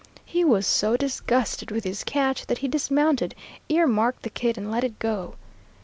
He was so disgusted with his catch that he dismounted, ear marked the kid, and let it go.